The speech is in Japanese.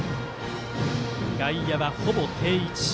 外野は、ほぼ定位置。